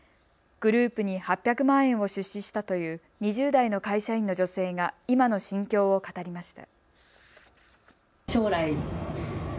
グループに８００万円を出資したという２０代の会社員の女性が今の心境を語りました。